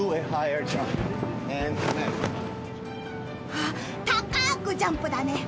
あっ高くジャンプだね。